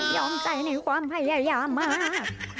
ยอมใจในความไห้ยาวมาก